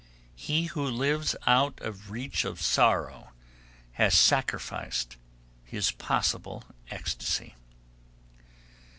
He who lives out of reach of sorrow has sacrificed his possible ecstasy.